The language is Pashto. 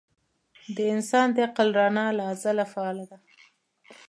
د انسان د عقل رڼا له ازله فعاله ده.